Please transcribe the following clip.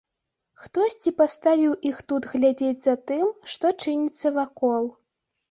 Хтосьці паставіў іх тут глядзець за тым, што чыніцца вакол.